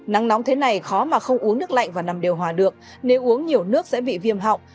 nắng nóng thế này khó mà không uống nước lạnh và nằm điều hòa được nếu uống nhiều nước sẽ bị viêm họng